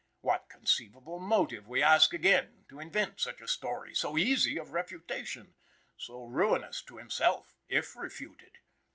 What conceivable motive, we ask again, to invent such a story so easy of refutation, so ruinous to himself, if refuted?